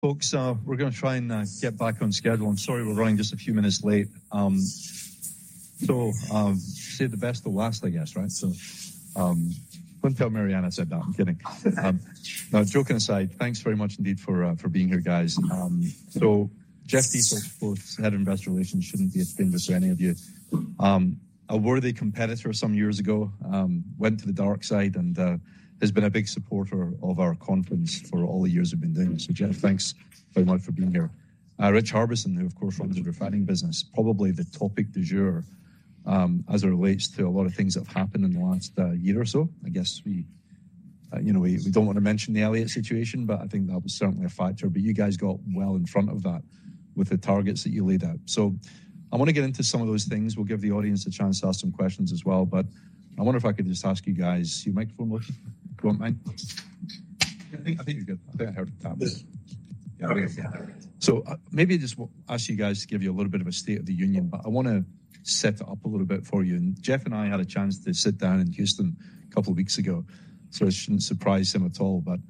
Folks, we're going to try and get back on schedule. I'm sorry we're running just a few minutes late. So, save the best for last, I guess, right? So, don't tell Mariana I said that. I'm kidding. Now, joking aside, thanks very much indeed for being here, guys. So, Jeff Dietert, of course, head of investor relations, shouldn't be as dangerous for any of you. A worthy competitor some years ago, went to the dark side and has been a big supporter of our conference for all the years we've been doing. So, Jeff, thanks very much for being here. Rich Harbison, who, of course, runs the refining business, probably the topic du jour, as it relates to a lot of things that have happened in the last year or so. I guess we, you know, we don't want to mention the Elliott situation, but I think that was certainly a factor. But you guys got well in front of that with the targets that you laid out. So I want to get into some of those things. We'll give the audience a chance to ask some questions as well, but I wonder if I could just ask you guys. Your microphone looking. Go on, Brian. I think you're good. I think I heard what that was. Yeah. Okay. So, maybe I just want to ask you guys to give you a little bit of a state of the union, but I want to set it up a little bit for you. And Jeff and I had a chance to sit down in Houston a couple of weeks ago, so it shouldn't surprise him at all. But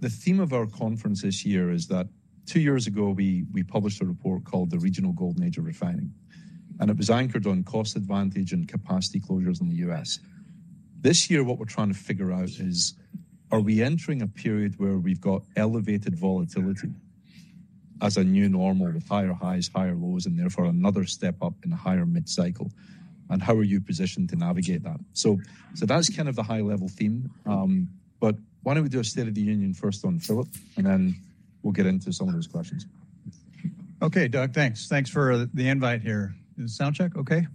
the theme of our conference this year is that two years ago we published a report called The Regional Golden Age of Refining, and it was anchored on cost advantage and capacity closures in the U.S. This year what we're trying to figure out is, are we entering a period where we've got elevated volatility as a new normal with higher highs, higher lows, and therefore another step up in a higher mid-cycle? And how are you positioned to navigate that? So that's kind of the high-level theme. But why don't we do a state of the union first on Phillips, and then we'll get into some of those questions. Okay, Doug, thanks. Thanks for the invite here. Is the sound check okay?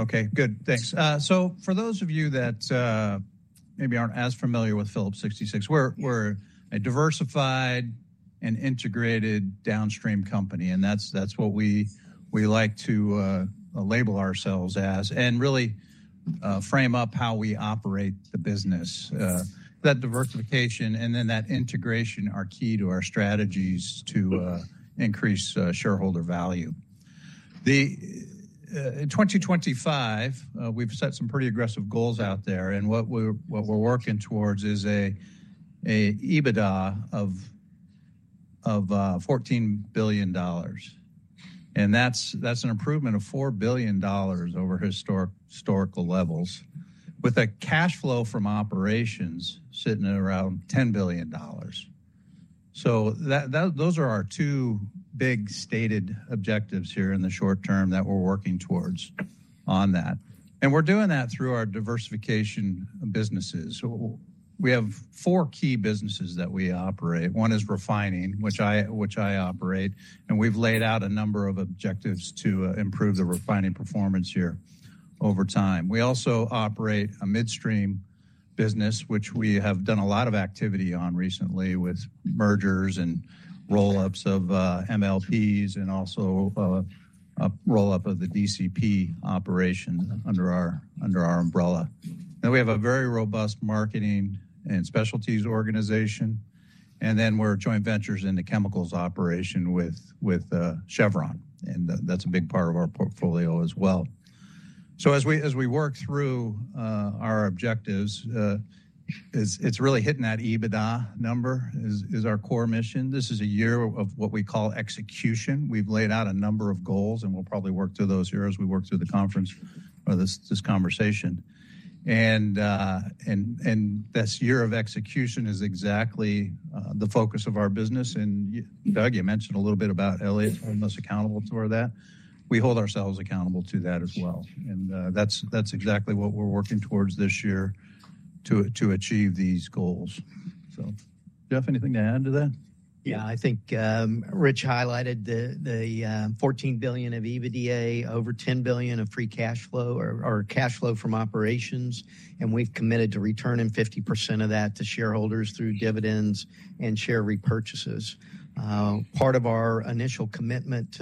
Okay, good. Thanks. So for those of you that, maybe aren't as familiar with Phillips 66, we're, we're a diversified and integrated downstream company, and that's, that's what we, we like to, label ourselves as and really, frame up how we operate the business. That diversification and then that integration are key to our strategies to, increase, shareholder value. Then, in 2025, we've set some pretty aggressive goals out there, and what we're, what we're working towards is a, a EBITDA of, of, $14 billion. And that's, that's an improvement of $4 billion over historic, historical levels, with a cash flow from operations sitting at around $10 billion. So that, that those are our two big stated objectives here in the short term that we're working towards on that. And we're doing that through our diversification businesses. So we have four key businesses that we operate. One is refining, which I operate, and we've laid out a number of objectives to improve the refining performance here over time. We also operate a midstream business, which we have done a lot of activity on recently with mergers and roll-ups of MLPs and also a roll-up of the DCP operation under our umbrella. And then we have a very robust marketing and specialties organization, and then we're joint ventures in the chemicals operation with Chevron, and that's a big part of our portfolio as well. So as we work through our objectives, it's really hitting that EBITDA number is our core mission. This is a year of what we call execution. We've laid out a number of goals, and we'll probably work through those here as we work through the conference or this conversation. This year of execution is exactly the focus of our business. And you, Doug, you mentioned a little bit about Elliott's. We're most accountable toward that. We hold ourselves accountable to that as well. And that's exactly what we're working towards this year to achieve these goals. So, Jeff, anything to add to that? Yeah. I think, Rich highlighted the $14 billion of EBITDA over $10 billion of free cash flow or cash flow from operations, and we've committed to returning 50% of that to shareholders through dividends and share repurchases. Part of our initial commitment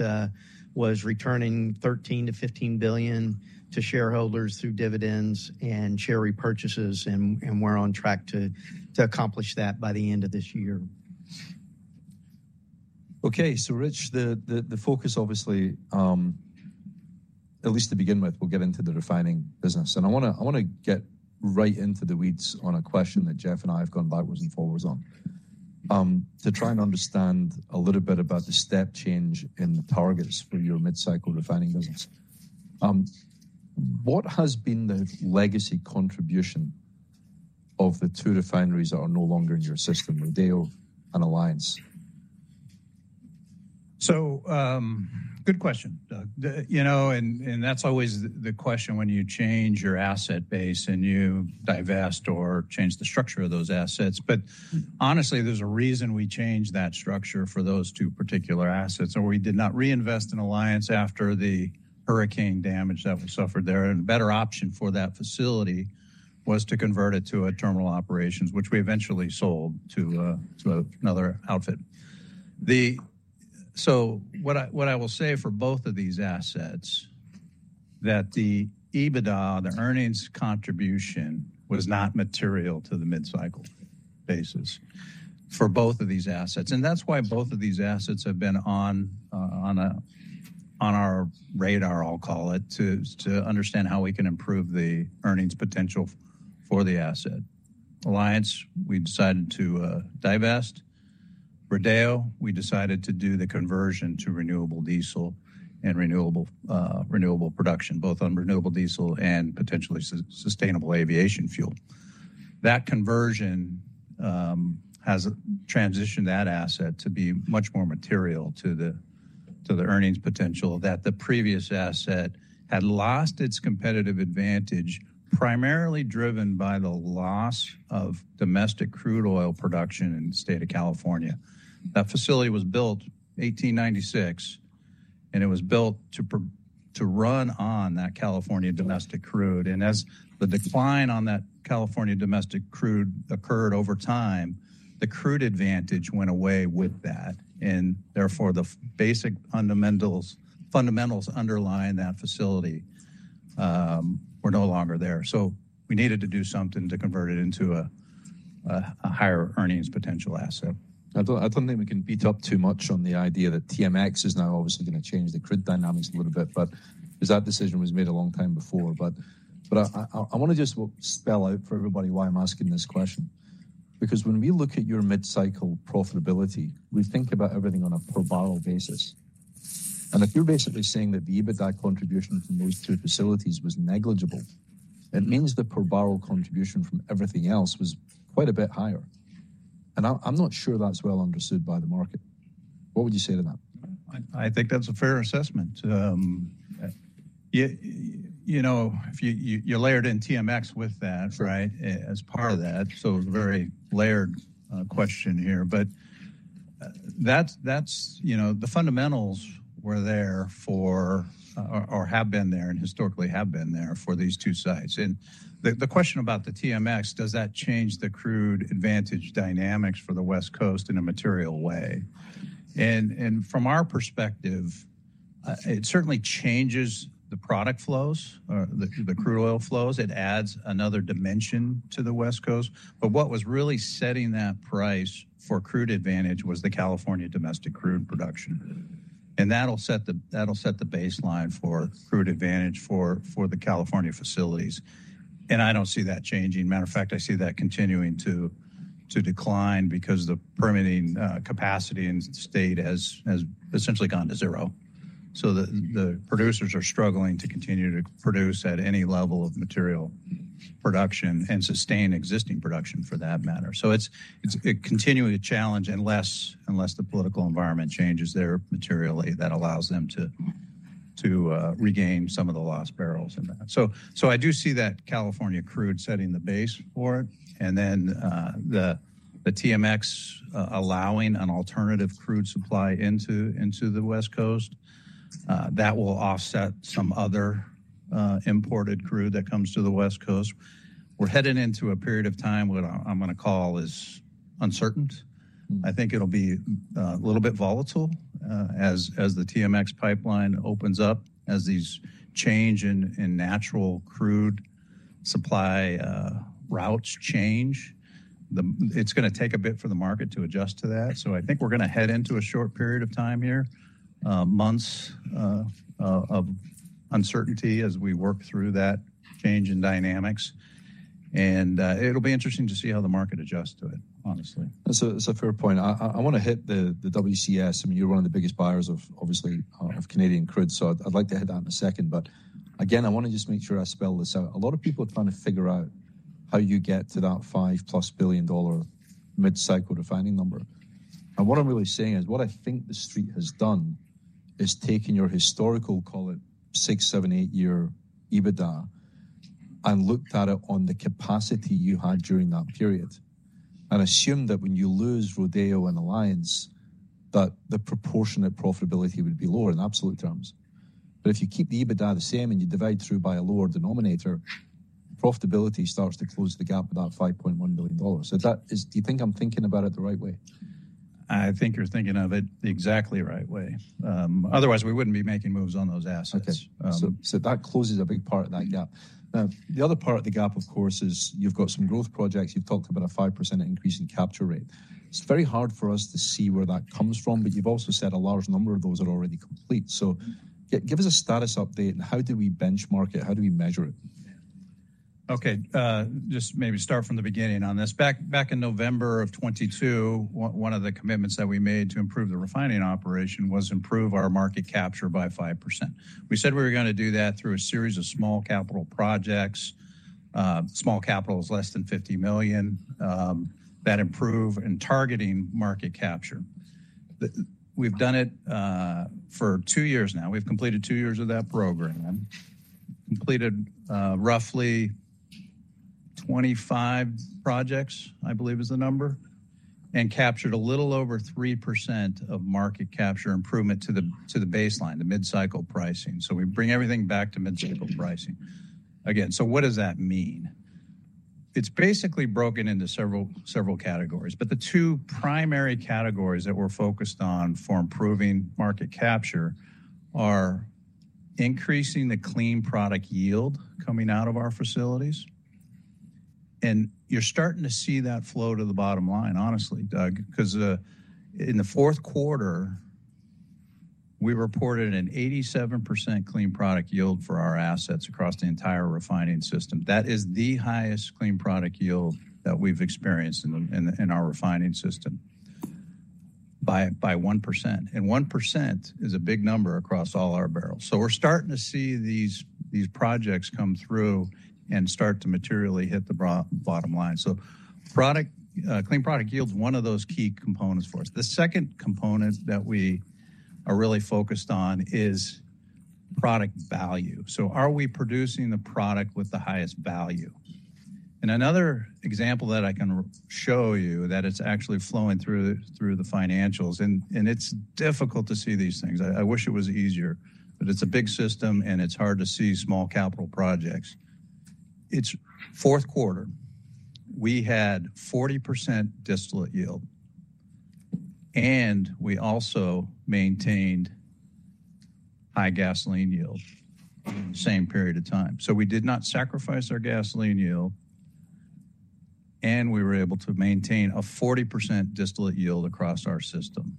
was returning $13 billion-$15 billion to shareholders through dividends and share repurchases, and we're on track to accomplish that by the end of this year. Okay. So, Rich, the focus, obviously, at least to begin with, we'll get into the refining business. And I want to, I want to get right into the weeds on a question that Jeff and I have gone backwards and forwards on, to try and understand a little bit about the step change in the targets for your mid-cycle refining business. What has been the legacy contribution of the two refineries that are no longer in your system, Rodeo and Alliance? So, good question, Doug. You know, that's always the question when you change your asset base and you divest or change the structure of those assets. But honestly, there's a reason we changed that structure for those two particular assets. So we did not reinvest in Alliance after the hurricane damage that we suffered there, and a better option for that facility was to convert it to a terminal operations, which we eventually sold to another outfit. What I will say for both of these assets is that the EBITDA, the earnings contribution, was not material to the mid-cycle basis for both of these assets. And that's why both of these assets have been on our radar, I'll call it, to understand how we can improve the earnings potential for the asset. Alliance, we decided to divest. Rodeo, we decided to do the conversion to renewable diesel and renewable, renewable production, both on renewable diesel and potentially sustainable aviation fuel. That conversion has transitioned that asset to be much more material to the earnings potential that the previous asset had lost its competitive advantage, primarily driven by the loss of domestic crude oil production in the state of California. That facility was built in 1896, and it was built to pro to run on that California domestic crude. And as the decline on that California domestic crude occurred over time, the crude advantage went away with that, and therefore the basic fundamentals, fundamentals underlying that facility, were no longer there. So we needed to do something to convert it into a, a, a higher earnings potential asset. I don't think we can beat up too much on the idea that TMX is now obviously going to change the crude dynamics a little bit, but because that decision was made a long time before. But, but I, I, I want to just spell out for everybody why I'm asking this question. Because when we look at your mid-cycle profitability, we think about everything on a per-barrel basis. And if you're basically saying that the EBITDA contribution from those two facilities was negligible, it means the per-barrel contribution from everything else was quite a bit higher. And I'm, I'm not sure that's well understood by the market. What would you say to that? I think that's a fair assessment. You know, if you layered in TMX with that, right, as part of that, so it was a very layered question here. But that's, you know, the fundamentals were there for, or have been there and historically have been there for these two sites. And the question about the TMX, does that change the crude advantage dynamics for the West Coast in a material way? And from our perspective, it certainly changes the product flows or the crude oil flows. It adds another dimension to the West Coast. But what was really setting that price for crude advantage was the California domestic crude production. And that'll set the baseline for crude advantage for the California facilities. And I don't see that changing. Matter of fact, I see that continuing to decline because the permitting capacity in the state has essentially gone to zero. So the producers are struggling to continue to produce at any level of material production and sustain existing production for that matter. So it's continually a challenge unless the political environment changes there materially that allows them to regain some of the lost barrels in that. So I do see that California crude setting the base for it. And then, the TMX, allowing an alternative crude supply into the West Coast, that will offset some other imported crude that comes to the West Coast. We're heading into a period of time what I'm going to call is uncertain. I think it'll be a little bit volatile, as the TMX pipeline opens up, as these changes in natural crude supply routes change. Then it's going to take a bit for the market to adjust to that. So I think we're going to head into a short period of time here, months, of uncertainty as we work through that change in dynamics. It'll be interesting to see how the market adjusts to it, honestly. That's a fair point. I want to hit the WCS. I mean, you're one of the biggest buyers of, obviously, of Canadian crude, so I'd like to hit that in a second. But again, I want to just make sure I spell this out. A lot of people are trying to figure out how you get to that $5+ billion mid-cycle refining number. And what I'm really saying is what I think the street has done is taken your historical, call it, six, seven, eight year EBITDA and looked at it on the capacity you had during that period and assumed that when you lose Rodeo and Alliance, that the proportionate profitability would be lower in absolute terms. But if you keep the EBITDA the same and you divide through by a lower denominator, profitability starts to close the gap with that $5.1 billion. So, that is, do you think I'm thinking about it the right way? I think you're thinking of it the exactly right way. Otherwise, we wouldn't be making moves on those assets. Okay. So that closes a big part of that gap. Now, the other part of the gap, of course, is you've got some growth projects. You've talked about a 5% increase in capture rate. It's very hard for us to see where that comes from, but you've also said a large number of those are already complete. So give us a status update. How do we benchmark it? How do we measure it? Okay. Just maybe start from the beginning on this. Back in November of 2022, one of the commitments that we made to improve the refining operation was improve our market capture by 5%. We said we were going to do that through a series of small-capital projects. Small capital is less than $50 million. That improve in targeting market capture. Then we've done it, for two years now. We've completed two years of that program, completed roughly 25 projects, I believe is the number, and captured a little over 3% of market capture improvement to the baseline, the mid-cycle pricing. So we bring everything back to mid-cycle pricing. Again, so what does that mean? It's basically broken into several categories. But the two primary categories that we're focused on for improving market capture are increasing the clean product yield coming out of our facilities. You're starting to see that flow to the bottom line, honestly, Doug, because in the fourth quarter, we reported an 87% clean product yield for our assets across the entire refining system. That is the highest clean product yield that we've experienced in our refining system by 1%. And 1% is a big number across all our barrels. So we're starting to see these projects come through and start to materially hit the bottom line. So product, clean product yield's one of those key components for us. The second component that we are really focused on is product value. So are we producing the product with the highest value? And another example that I can show you that it's actually flowing through the financials, and it's difficult to see these things. I wish it was easier, but it's a big system, and it's hard to see small-capital projects. It's fourth quarter. We had 40% distillate yield, and we also maintained high gasoline yield in the same period of time. So we did not sacrifice our gasoline yield, and we were able to maintain a 40% distillate yield across our system.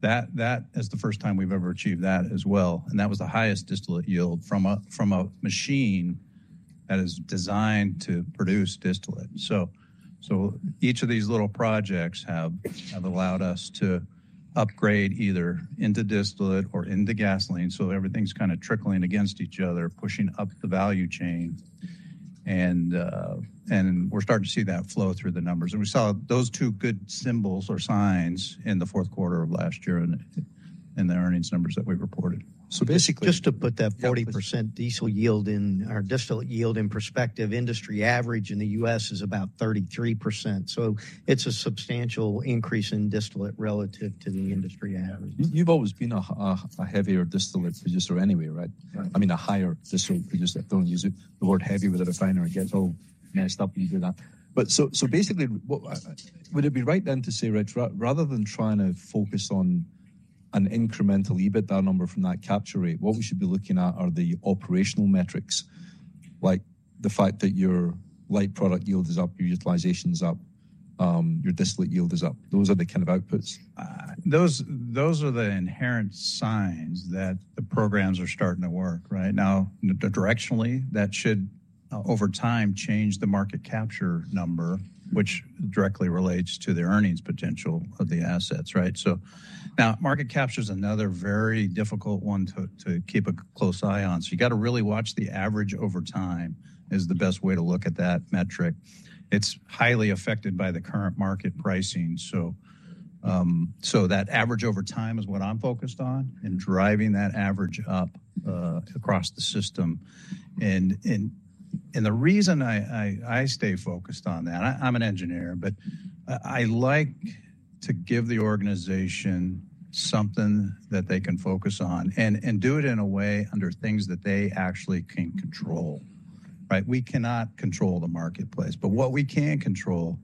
That is the first time we've ever achieved that as well. And that was the highest distillate yield from a machine that is designed to produce distillate. So each of these little projects have allowed us to upgrade either into distillate or into gasoline. So everything's kind of trickling against each other, pushing up the value chain. And we're starting to see that flow through the numbers. We saw those two good symbols or signs in the fourth quarter of last year in the earnings numbers that we reported. So basically, just to put that 40% diesel yield in or distillate yield in perspective, industry average in the U.S. is about 33%. So it's a substantial increase in distillate relative to the industry average. You've always been a heavier distillate producer anyway, right? I mean, a higher distillate producer. Don't use the word heavy with a refiner. It gets all messed up when you do that. But so basically, what would it be right then to say, Rich, rather than trying to focus on an incremental EBITDA number from that capture rate, what we should be looking at are the operational metrics, like the fact that your light product yield is up, your utilization is up, your distillate yield is up. Those are the kind of outputs? Those are the inherent signs that the programs are starting to work, right? Now, directionally, that should, over time, change the market capture number, which directly relates to the earnings potential of the assets, right? So now, market capture is another very difficult one to keep a close eye on. So you got to really watch the average over time is the best way to look at that metric. It's highly affected by the current market pricing. So that average over time is what I'm focused on in driving that average up, across the system. And the reason I stay focused on that I'm an engineer, but I like to give the organization something that they can focus on and do it in a way under things that they actually can control, right? We cannot control the marketplace. But what we can control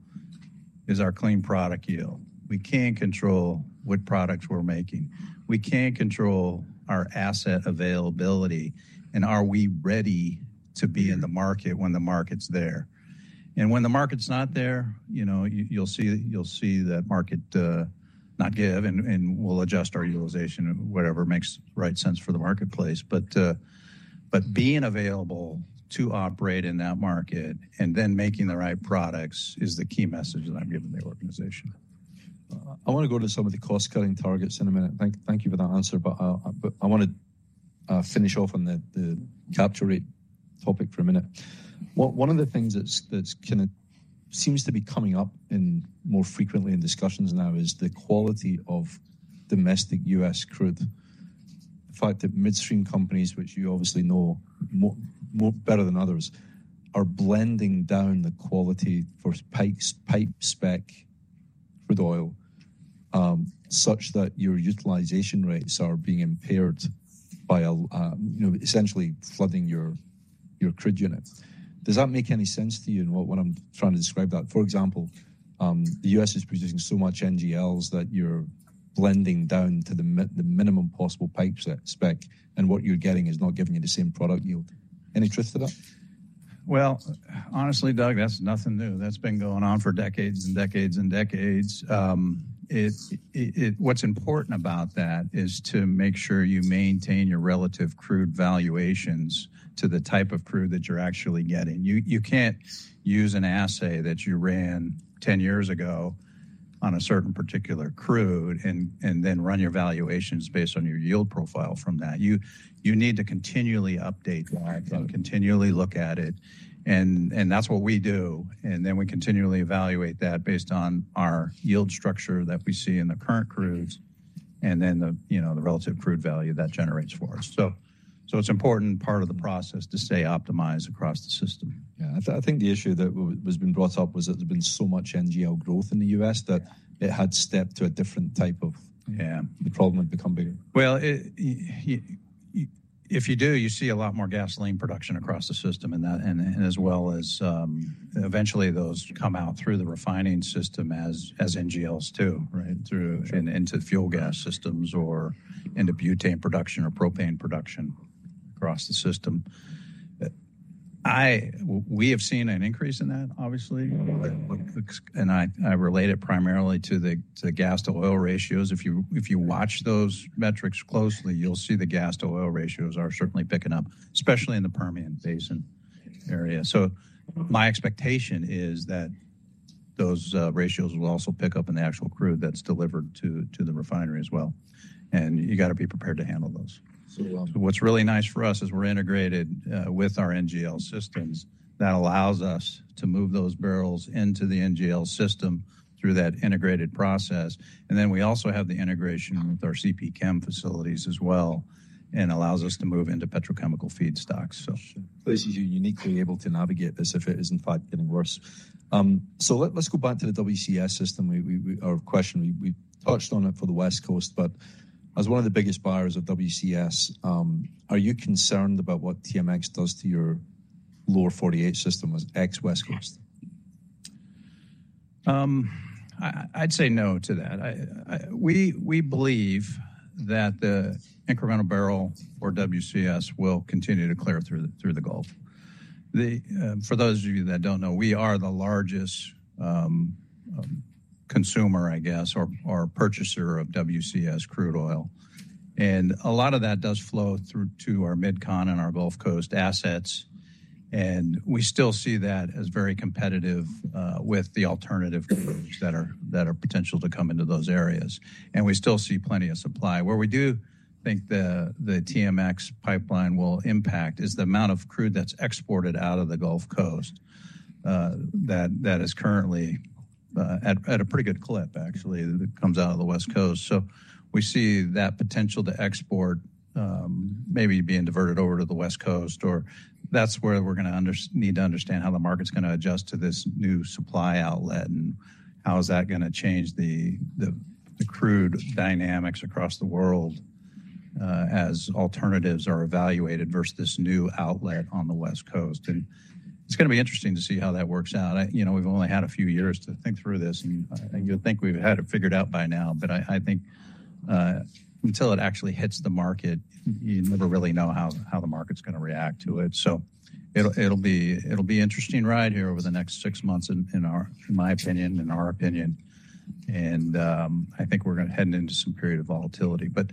is our Clean Product Yield. We can't control what products we're making. We can't control our asset availability. And are we ready to be in the market when the market's there? And when the market's not there, you know, you'll see, you'll see that market, not give and, and we'll adjust our utilization, whatever makes right sense for the marketplace. But, but being available to operate in that market and then making the right products is the key message that I'm giving the organization. I want to go to some of the cost-cutting targets in a minute. Thank you for that answer. But I want to finish off on the capture rate topic for a minute. What one of the things that's kind of seems to be coming up more frequently in discussions now is the quality of domestic U.S. crude. The fact that midstream companies, which you obviously know more better than others, are blending down the quality for pipes, pipe spec crude oil, such that your utilization rates are being impaired by, you know, essentially flooding your crude unit. Does that make any sense to you in what I'm trying to describe that? For example, the U.S. is producing so much NGLs that you're blending down to the minimum possible pipe spec, and what you're getting is not giving you the same product yield. Any truth to that? Well, honestly, Doug, that's nothing new. That's been going on for decades and decades and decades. What's important about that is to make sure you maintain your relative crude valuations to the type of crude that you're actually getting. You can't use an assay that you ran 10 years ago on a certain particular crude and then run your valuations based on your yield profile from that. You need to continually update that and continually look at it. And that's what we do. And then we continually evaluate that based on our yield structure that we see in the current crudes and then the, you know, the relative crude value that generates for us. So it's an important part of the process to stay optimized across the system. Yeah. I think the issue that was being brought up was that there's been so much NGL growth in the U.S. that it had stepped to a different type of. The problem had become bigger. Well, if you do, you see a lot more gasoline production across the system in that and, as well as, eventually those come out through the refining system as NGLs too, right, through into fuel gas systems or into butane production or propane production across the system. We have seen an increase in that, obviously. And I relate it primarily to the gas-to-oil ratios. If you watch those metrics closely, you'll see the gas-to-oil ratios are certainly picking up, especially in the Permian Basin area. So my expectation is that those ratios will also pick up in the actual crude that's delivered to the refinery as well. And you got to be prepared to handle those. So what's really nice for us is we're integrated with our NGL systems. That allows us to move those barrels into the NGL system through that integrated process. Then we also have the integration with our CPChem facilities as well and allows us to move into petrochemical feedstocks, so. This is uniquely able to navigate this if it is in fact getting worse. So let's go back to the WCS system. Our question we touched on it for the West Coast, but as one of the biggest buyers of WCS, are you concerned about what TMX does to your lower 48 system as ex-West Coast? I'd say no to that. We believe that the incremental barrel for WCS will continue to clear through the Gulf. For those of you that don't know, we are the largest consumer, I guess, or purchaser of WCS crude oil. And a lot of that does flow through to our MidCon and our Gulf Coast assets. And we still see that as very competitive, with the alternative crudes that are potential to come into those areas. And we still see plenty of supply. Where we do think the TMX pipeline will impact is the amount of crude that's exported out of the Gulf Coast, that is currently at a pretty good clip, actually, that comes out of the West Coast. So we see that potential to export, maybe being diverted over to the West Coast. Or that's where we're going to need to understand how the market's going to adjust to this new supply outlet and how is that going to change the crude dynamics across the world, as alternatives are evaluated versus this new outlet on the West Coast. And it's going to be interesting to see how that works out. I, you know, we've only had a few years to think through this, and you'll think we've had it figured out by now. But I think, until it actually hits the market, you never really know how the market's going to react to it. So it'll be an interesting ride here over the next six months, in our opinion. And I think we're going to head into some period of volatility. But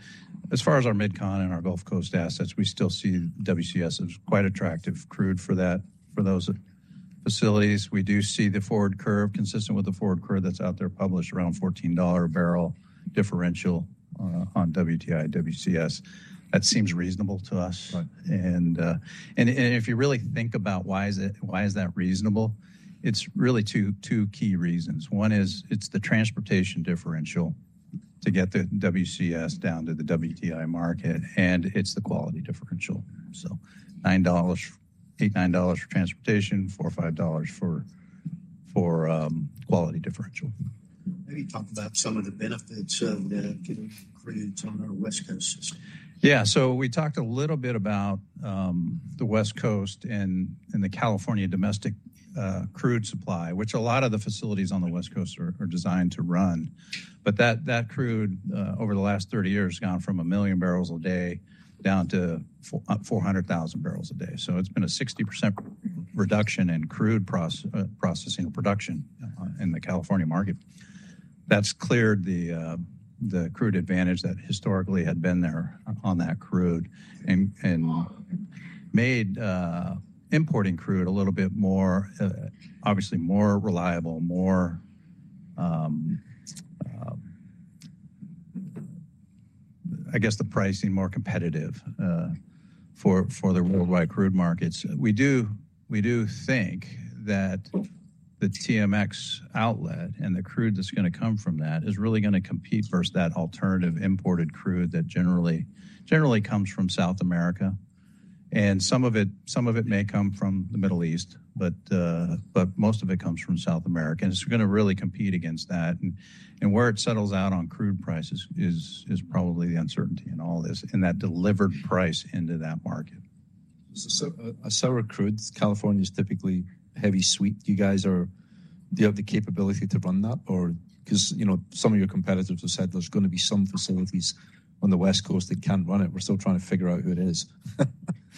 as far as our MidCon and our Gulf Coast assets, we still see WCS as quite attractive crude for that, for those facilities. We do see the forward curve consistent with the forward curve that's out there published around $14 a barrel differential, on WTI/WCS. That seems reasonable to us. And if you really think about why that is reasonable, it's really two key reasons. One is it's the transportation differential to get the WCS down to the WTI market. And it's the quality differential. So $8-$9 for transportation, $4-$5 for quality differential. Maybe talk about some of the benefits of getting crudes on our West Coast system. Yeah. So we talked a little bit about the West Coast and the California domestic crude supply, which a lot of the facilities on the West Coast are designed to run. But that crude, over the last 30 years, has gone from 1 million barrels a day down to 400,000 barrels a day. So it's been a 60% reduction in crude processing or production in the California market. That's cleared the crude advantage that historically had been there on that crude and made importing crude a little bit more obviously more reliable, I guess the pricing more competitive, for the worldwide crude markets. We do think that the TMX outlet and the crude that's going to come from that is really going to compete versus that alternative imported crude that generally comes from South America. Some of it may come from the Middle East, but most of it comes from South America. And it's going to really compete against that. And where it settles out on crude prices is probably the uncertainty in all this, in that delivered price into that market. So, a sour crude. California's typically heavy sweet. Do you guys have the capability to run that? Or because, you know, some of your competitors have said there's going to be some facilities on the West Coast that can't run it. We're still trying to figure out who it is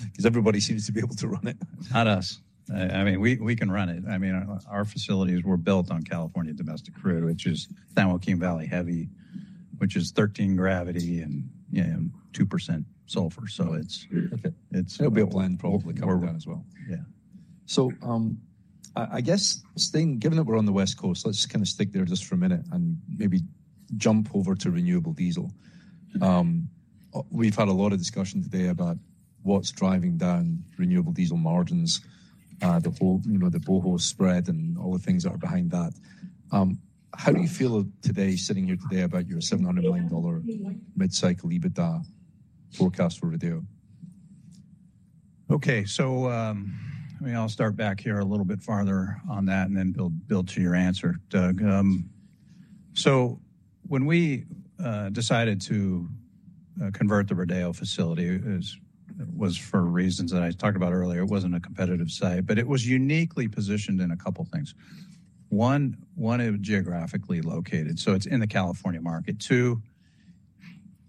because everybody seems to be able to run it. Not us. I mean, we can run it. I mean, our facilities were built on California domestic crude, which is San Joaquin Valley heavy, which is 13 gravity and, you know, 2% sulfur. So it'll be a blend, probably, coming down as well. So, I guess staying given that we're on the West Coast, let's just kind of stick there just for a minute and maybe jump over to renewable diesel. We've had a lot of discussion today about what's driving down renewable diesel margins, the whole, you know, the BOHO spread and all the things that are behind that. How do you feel today, sitting here today, about your $700 million mid-cycle EBITDA forecast for Rodeo? Okay. So, let me, I'll start back here a little bit farther on that and then build, build to your answer, Doug. So when we decided to convert the Rodeo facility, as it was for reasons that I talked about earlier, it wasn't a competitive site. But it was uniquely positioned in a couple of things. One, it's geographically located. So it's in the California market. Two,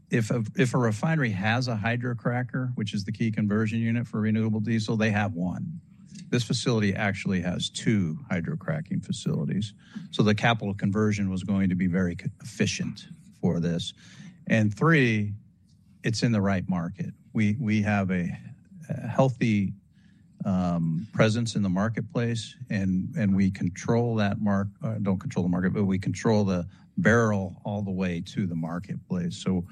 if a refinery has a hydrocracker, which is the key conversion unit for renewable diesel, they have one. This facility actually has two hydrocracking facilities. So the capital conversion was going to be very efficient for this. And three, it's in the right market. We have a healthy presence in the marketplace. And we control that market. Don't control the market, but we control the barrel all the way to the marketplace. So,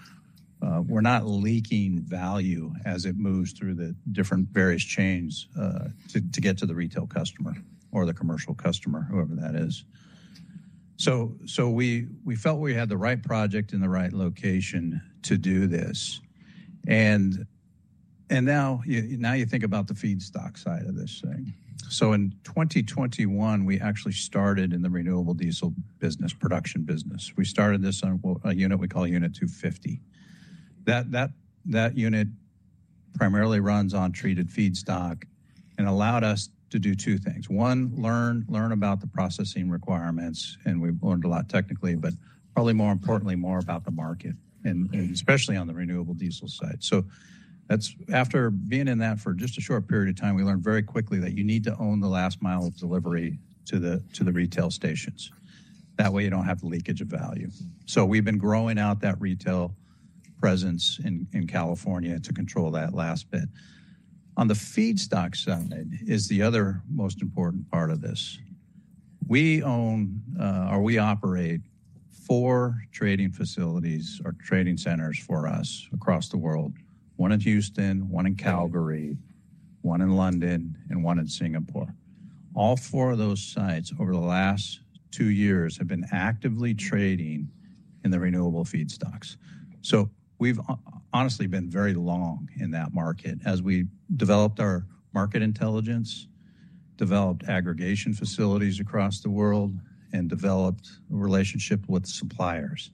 we're not leaking value as it moves through the different various chains, to get to the retail customer or the commercial customer, whoever that is. So, we felt we had the right project in the right location to do this. And now you think about the feedstock side of this thing. So in 2021, we actually started in the renewable diesel business, production business. We started this on a unit we call Unit 250. That unit primarily runs on treated feedstock and allowed us to do two things. One, learn about the processing requirements. And we've learned a lot technically, but probably more importantly, more about the market, and especially on the renewable diesel side. So that's after being in that for just a short period of time, we learned very quickly that you need to own the last mile of delivery to the retail stations. That way, you don't have the leakage of value. So we've been growing out that retail presence in California to control that last bit. On the feedstock side is the other most important part of this. We own, or we operate four trading facilities or trading centers for us across the world. One in Houston, one in Calgary, one in London, and one in Singapore. All four of those sites over the last two years have been actively trading in the renewable feedstocks. So we've honestly been very long in that market as we developed our market intelligence, developed aggregation facilities across the world, and developed a relationship with suppliers.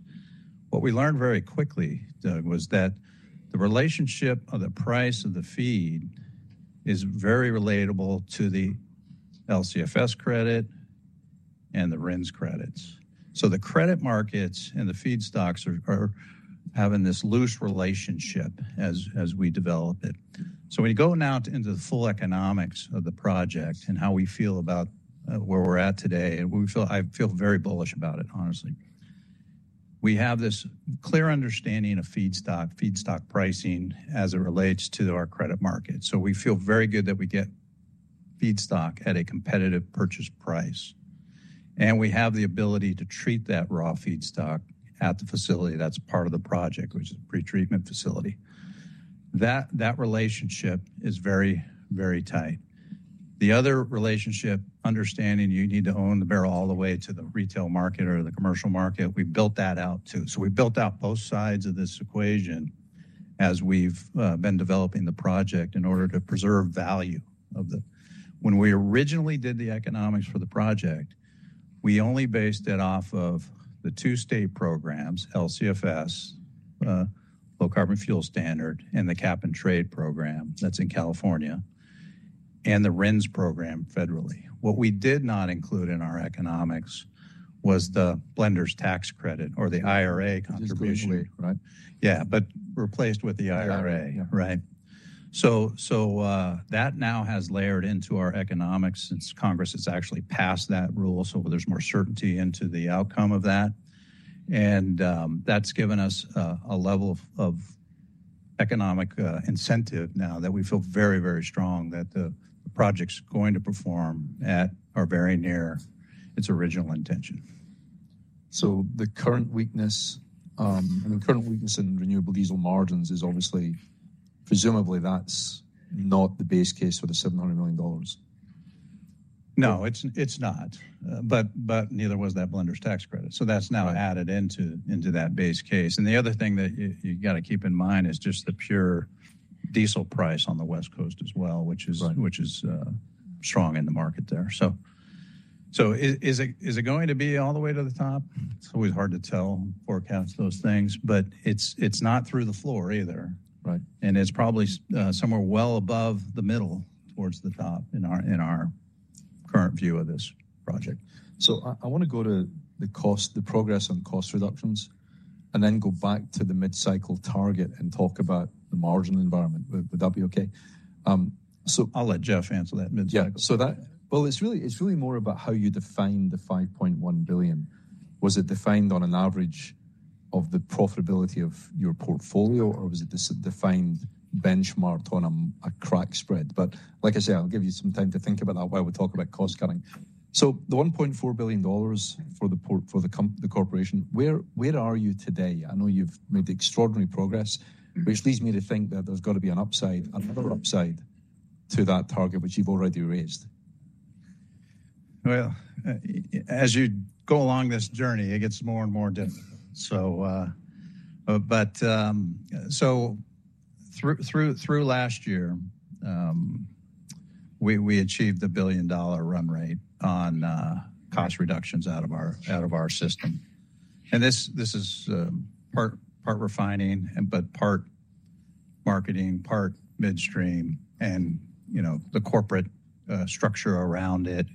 What we learned very quickly, Doug, was that the relationship of the price of the feed is very relatable to the LCFS credit and the RINs credits. So the credit markets and the feedstocks are having this loose relationship as we develop it. So when you go now into the full economics of the project and how we feel about where we're at today, we feel. I feel very bullish about it, honestly. We have this clear understanding of feedstock, feedstock pricing as it relates to our credit market. So we feel very good that we get feedstock at a competitive purchase price. And we have the ability to treat that raw feedstock at the facility that's part of the project, which is a pretreatment facility. That relationship is very, very tight. The other relationship, understanding you need to own the barrel all the way to the retail market or the commercial market, we built that out too. So we built out both sides of this equation as we've been developing the project in order to preserve value of the when we originally did the economics for the project, we only based it off of the two state programs, LCFS, Low Carbon Fuel Standard, and the Cap and Trade Program that's in California, and the RINs program federally. What we did not include in our economics was the Blender's Tax Credit or the IRA contribution. Just globally, right? Yeah. But replaced with the IRA, right? So, that now has layered into our economics since Congress has actually passed that rule. So there's more certainty into the outcome of that. And, that's given us a level of economic incentive now that we feel very, very strong that the project's going to perform at or very near its original intention. So the current weakness, I mean, current weakness in renewable diesel margins is obviously presumably that's not the base case for the $700 million. No, it's not. But neither was that Blender's Tax Credit. So that's now added into that base case. And the other thing that you got to keep in mind is just the pure diesel price on the West Coast as well, which is strong in the market there. So is it going to be all the way to the top? It's always hard to tell, forecast those things. But it's not through the floor either. It's probably somewhere well above the middle towards the top in our current view of this project. So, I want to go to the cost, the progress on cost reductions and then go back to the mid-cycle target and talk about the margin environment. Would that be okay? I'll let Jeff answer that mid-cycle. Yeah. So, well, it's really—it's really more about how you define the $5.1 billion. Was it defined on an average of the profitability of your portfolio, or was it defined benchmarked on a crack spread? But like I say, I'll give you some time to think about that while we talk about cost cutting. So the $1.4 billion for the corporation, where are you today? I know you've made extraordinary progress, which leads me to think that there's got to be an upside, another upside to that target, which you've already raised. Well, as you go along this journey, it gets more and more difficult. So through last year, we achieved the $1 billion run rate on cost reductions out of our system. And this is part refining and part marketing, part midstream, and, you know, the corporate structure around it.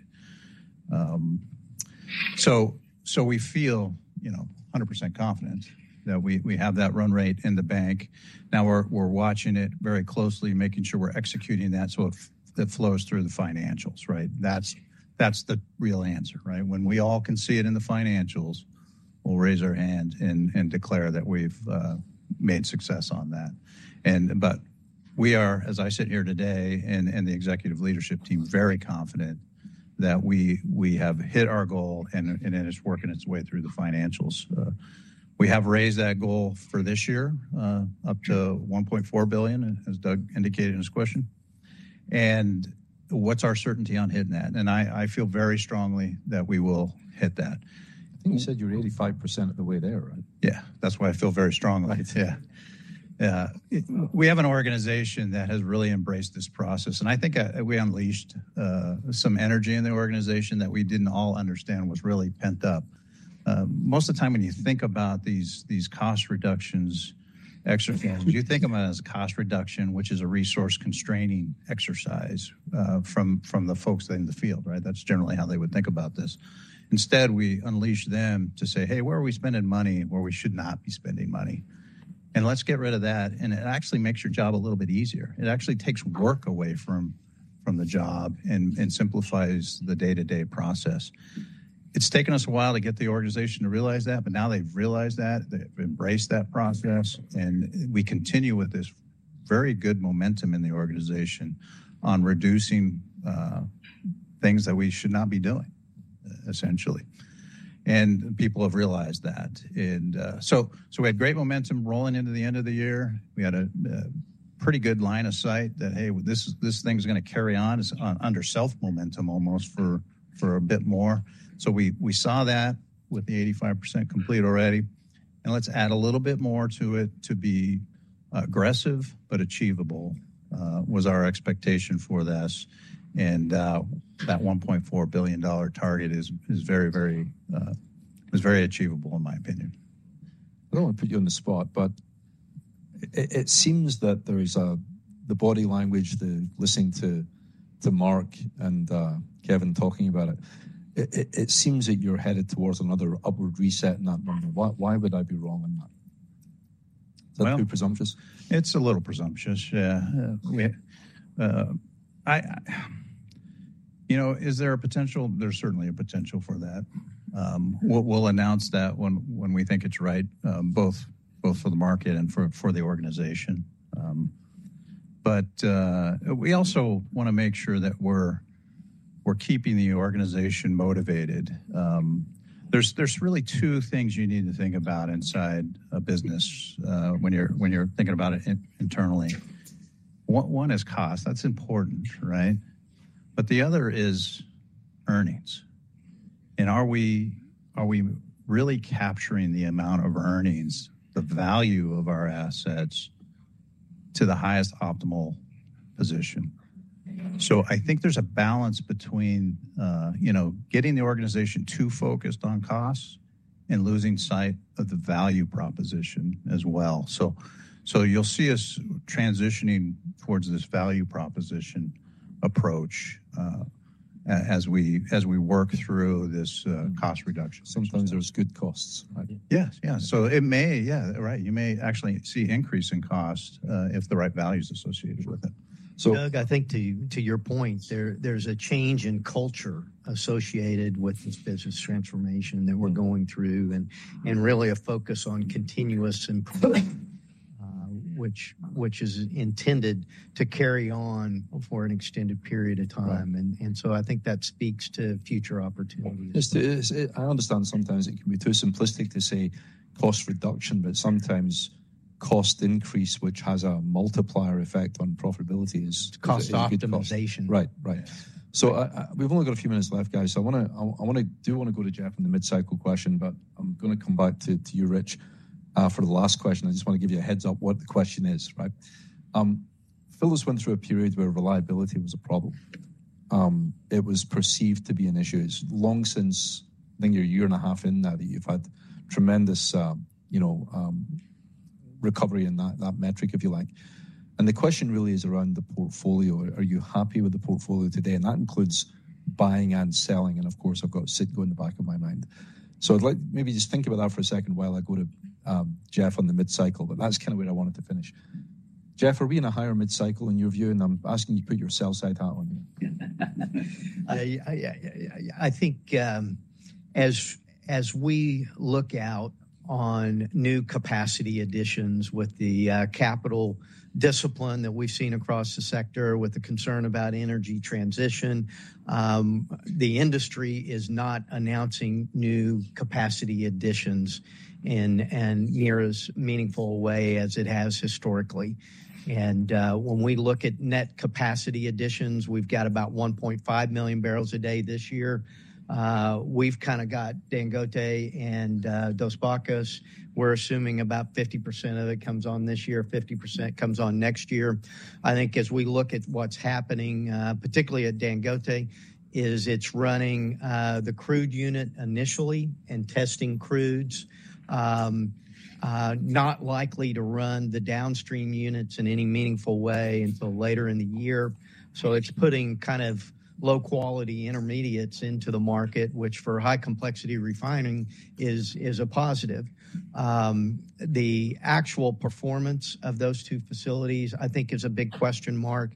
So we feel, you know, 100% confident that we have that run rate in the bank. Now we're watching it very closely, making sure we're executing that so it flows through the financials, right? That's the real answer, right? When we all can see it in the financials, we'll raise our hand and declare that we've made success on that. But we are, as I sit here today and the executive leadership team, very confident that we have hit our goal, and it's working its way through the financials. We have raised that goal for this year, up to $1.4 billion, as Doug indicated in his question. What's our certainty on hitting that? I feel very strongly that we will hit that. I think you said you're 85% of the way there, right? Yeah. That's why I feel very strongly. Yeah. Yeah. We have an organization that has really embraced this process. I think we unleashed some energy in the organization that we didn't all understand was really pent up. Most of the time when you think about these cost reductions, extra funds, you think of them as a cost reduction, which is a resource-constraining exercise from the folks in the field, right? That's generally how they would think about this. Instead, we unleash them to say, "Hey, where are we spending money where we should not be spending money? And let's get rid of that." It actually makes your job a little bit easier. It actually takes work away from the job and simplifies the day-to-day process. It's taken us a while to get the organization to realize that, but now they've realized that. They've embraced that process. We continue with this very good momentum in the organization on reducing things that we should not be doing, essentially. People have realized that. So we had great momentum rolling into the end of the year. We had a pretty good line of sight that, "Hey, this thing's going to carry on" is under self-momentum almost for a bit more. So we saw that with the 85% complete already. Let's add a little bit more to it to be aggressive but achievable, was our expectation for this. That $1.4 billion target is very, very achievable, in my opinion. I don't want to put you on the spot, but it seems that there is the body language, the listening to Mark and Kevin talking about it. It seems that you're headed towards another upward reset in that number. Why would I be wrong on that? Is that too presumptuous? Well, it's a little presumptuous. Yeah. You know, is there a potential? There's certainly a potential for that. We'll announce that when we think it's right, both for the market and for the organization. But we also want to make sure that we're keeping the organization motivated. There's really two things you need to think about inside a business, when you're thinking about it internally. One is cost. That's important, right? But the other is earnings. And are we really capturing the amount of earnings, the value of our assets to the highest optimal position? So I think there's a balance between, you know, getting the organization too focused on costs and losing sight of the value proposition as well. So, you'll see us transitioning towards this value proposition approach, as we work through this cost reduction process. Sometimes there's good costs, right? Yes. Yeah. So it may, right. You may actually see increase in cost, if the right value's associated with it. So, Doug, I think to your point, there's a change in culture associated with this business transformation that we're going through and really a focus on continuous improvement, which is intended to carry on for an extended period of time. And so I think that speaks to future opportunities. Just so I understand, sometimes it can be too simplistic to say cost reduction, but sometimes cost increase, which has a multiplier effect on profitability, is. Cost optimization. Right. Right. So we've only got a few minutes left, guys. So I want to go to Jeff on the mid-cycle question, but I'm going to come back to you, Rich, for the last question. I just want to give you a heads-up what the question is, right? Phillips went through a period where reliability was a problem. It was perceived to be an issue. It's long since I think you're a year and a half in now that you've had tremendous, you know, recovery in that metric, if you like. And the question really is around the portfolio. Are you happy with the portfolio today? And that includes buying and selling. And of course, I've got CITGO in the back of my mind. So I'd like maybe just think about that for a second while I go to Jeff on the mid-cycle. That's kind of where I wanted to finish. Jeff, are we in a higher mid-cycle in your view? I'm asking you to put your sell-side hat on here. I think, as we look out on new capacity additions with the capital discipline that we've seen across the sector with the concern about energy transition, the industry is not announcing new capacity additions in near as meaningful a way as it has historically. When we look at net capacity additions, we've got about 1.5 million barrels a day this year. We've kind of got Dangote and Dos Bocas. We're assuming about 50% of it comes on this year, 50% comes on next year. I think as we look at what's happening, particularly at Dangote, is it's running the crude unit initially and testing crudes, not likely to run the downstream units in any meaningful way until later in the year. So it's putting kind of low-quality intermediates into the market, which for high-complexity refining is a positive. The actual performance of those two facilities, I think, is a big question mark.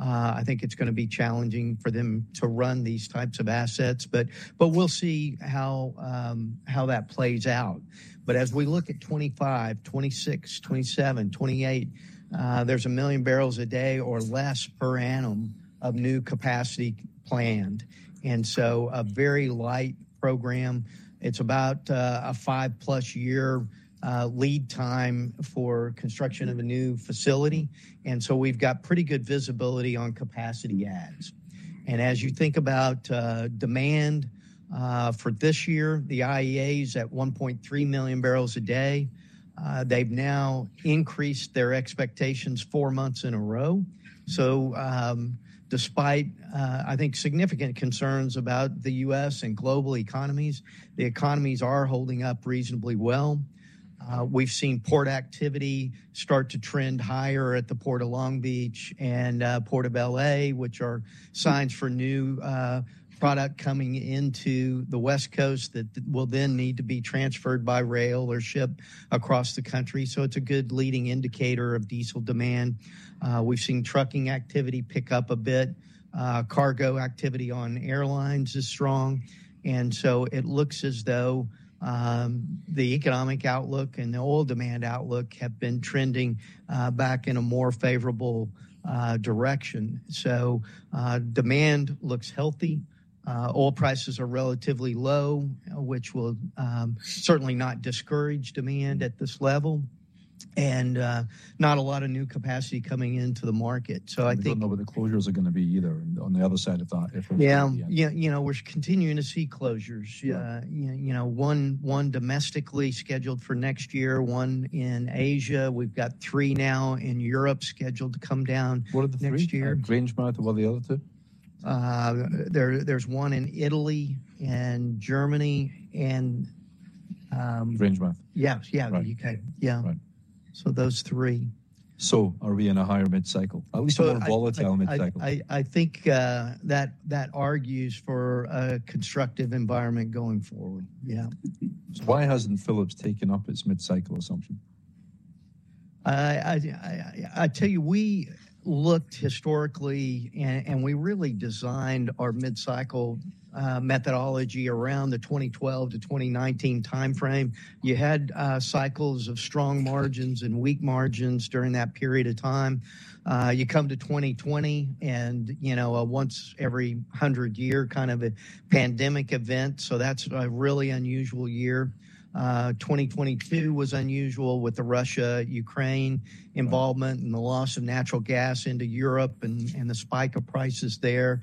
I think it's going to be challenging for them to run these types of assets. But, but we'll see how, how that plays out. But as we look at 2025, 2026, 2027, 2028, there's 1 million barrels a day or less per annum of new capacity planned. And so a very light program. It's about a 5+ year lead time for construction of a new facility. And so we've got pretty good visibility on capacity adds. And as you think about demand for this year, the IEA is at 1.3 million barrels a day. They've now increased their expectations four months in a row. So, despite, I think, significant concerns about the U.S. and global economies, the economies are holding up reasonably well. We've seen port activity start to trend higher at the Port of Long Beach and Port of LA, which are signs for new product coming into the West Coast that will then need to be transferred by rail or ship across the country. So it's a good leading indicator of diesel demand. We've seen trucking activity pick up a bit. Cargo activity on airlines is strong. And so it looks as though the economic outlook and the oil demand outlook have been trending back in a more favorable direction. So demand looks healthy. Oil prices are relatively low, which will certainly not discourage demand at this level. And not a lot of new capacity coming into the market. So I think. We don't know what the closures are going to be either on the other side of the thought if we're coming to the end. Yeah. You know, we're continuing to see closures. You know, one domestically scheduled for next year, one in Asia. We've got three now in Europe scheduled to come down next year. What are the three? Grangemouth or what are the other two? There's one in Italy and Germany and, Grangemouth. Yeah. The U.K. Yeah. So those three. Are we in a higher mid-cycle? At least a more volatile mid-cycle. I think that argues for a constructive environment going forward. Yeah. Why hasn't Phillips taken up its mid-cycle assumption? I tell you, we looked historically, and we really designed our mid-cycle methodology around the 2012 to 2019 time frame. You had cycles of strong margins and weak margins during that period of time. You come to 2020, and, you know, once every 100-year kind of a pandemic event. So that's a really unusual year. 2022 was unusual with the Russia-Ukraine involvement and the loss of natural gas into Europe and the spike of prices there.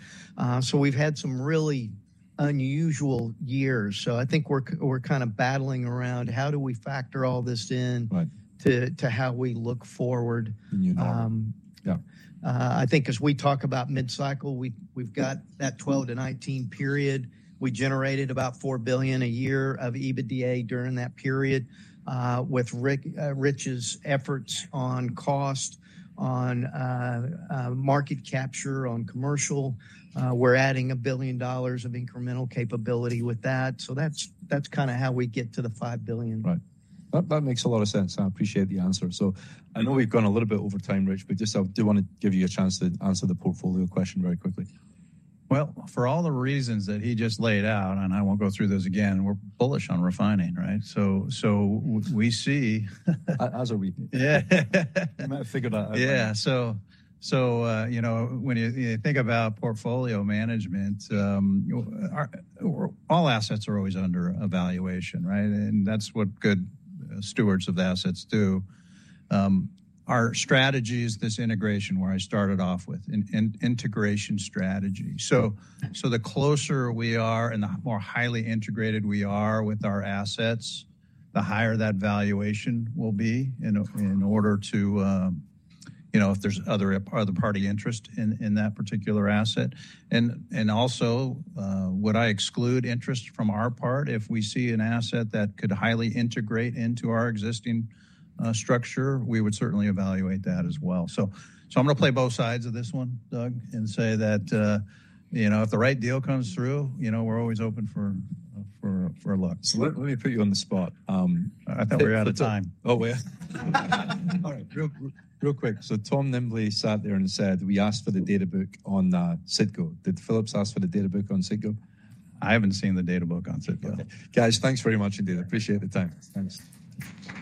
So we've had some really unusual years. So I think we're kind of battling around how do we factor all this in to how we look forward. In your norm. Yeah. I think as we talk about mid-cycle, we've got that 2012 to 2019 period. We generated about $4 billion a year of EBITDA during that period. With Rich's efforts on cost, on market capture, on commercial, we're adding $1 billion of incremental capability with that. So that's kind of how we get to the $5 billion. Right. That makes a lot of sense. I appreciate the answer. I know we've gone a little bit over time, Rich, but just I do want to give you a chance to answer the portfolio question very quickly. Well, for all the reasons that he just laid out, and I won't go through those again, we're bullish on refining, right? So, so we see. As are we. Yeah. I might have figured that out. Yeah. So, you know, when you think about portfolio management, all assets are always under evaluation, right? And that's what good stewards of the assets do. Our strategy is this integration where I started off with, an integration strategy. So, the closer we are and the more highly integrated we are with our assets, the higher that valuation will be in order to, you know, if there's third-party interest in that particular asset. And also, would I exclude interest from our part? If we see an asset that could highly integrate into our existing structure, we would certainly evaluate that as well. So, I'm going to play both sides of this one, Doug, and say that, you know, if the right deal comes through, you know, we're always open for luck. So let me put you on the spot. I thought we were out of time. Oh, we are. All right. Real, real quick. So Tom Nimbley sat there and said we asked for the data book on CITGO. Did Phillips ask for the data book on CITGO? I haven't seen the data book on Citgo. Okay. Guys, thanks very much indeed. I appreciate the time. Thanks.